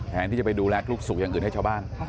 แทนที่จะไปดูแลทุกสุขอย่างอื่นให้ชาวบ้าน